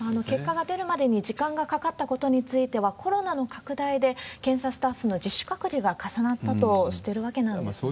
結果が出るまでに時間がかかったことについては、コロナの拡大で検査スタッフの自主隔離が重なったとしてるわけなんですが。